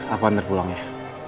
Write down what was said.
aku anter pulang ya